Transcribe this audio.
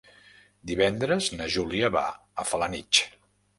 Divendres na Júlia va a Felanitx.